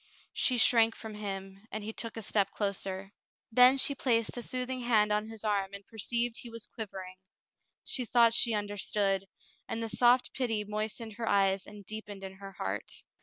She shrank from him, and he took a step closer. Then she placed a soothing hand on his arm and perceived he was quivering. She thought she understood, and the soft pity moistened her eyes and deepened in her heart.